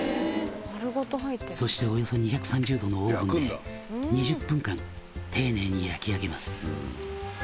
「そしておよそ２３０℃のオーブンで２０分間丁寧に焼き上げます」